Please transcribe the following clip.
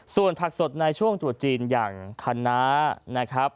ส่วนผักสดในช่วงตรุษจีนอย่างคณะนะครับ